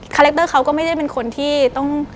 แรคเตอร์เขาก็ไม่ได้เป็นคนที่ต้อง